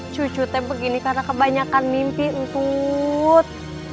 cucu tempe gini karena kebanyakan mimpi untuk